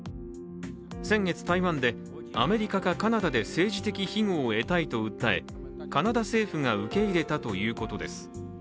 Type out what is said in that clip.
先月台湾で、アメリカかカナダで政治的ひごを得たいと訴え、カナダ政府が受け入れたということです。